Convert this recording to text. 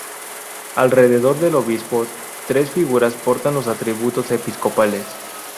Alrededor del obispo tres figuras portan los atributos episcopales.